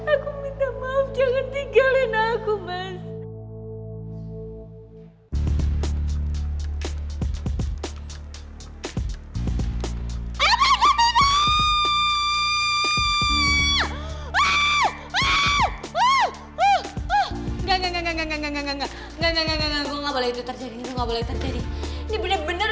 aku mohon jangan tinggalin aku mas